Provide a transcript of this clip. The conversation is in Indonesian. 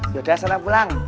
yaudah sana pulang